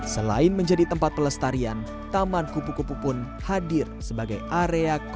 selain menjadi tempat pelestarian taman kupu kupu pun hadir sebagai area konservasi kupu kupu